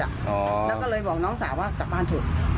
แล้วก็เลยบอกน้องสาวว่ากลับบ้านเถอะ